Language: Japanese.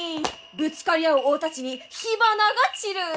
ぶつかり合う大太刀に火花が散る！